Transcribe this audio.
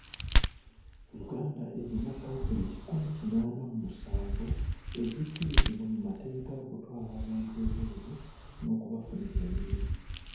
Uganda erina kkampuni kikumi kinaana mu musanvu ezikkirizibwa mu mateeka okutwala abantu ebweru n'okubafunira emirimu.